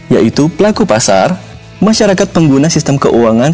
yaitu pelaku pasar masyarakat pengguna sistem keuangan